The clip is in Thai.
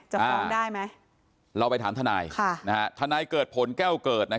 ฟ้องได้ไหมเราไปถามทนายทนายเกิดผลแก้วเกิด